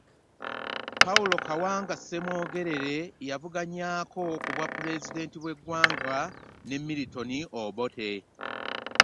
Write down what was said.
Paul Kawanga Ssemwogerere, yavuganyaako ku bwa pulezidenti bw'eggwanga mu ne Milton Obote.